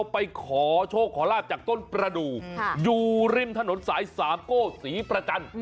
ไปขอโชคขอลาบจากต้นประดูกอยู่ริมถนนสายสามโก้ศรีประจันทร์